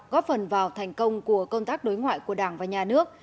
góp phần vào thành công của công tác đối ngoại của đảng và nhà nước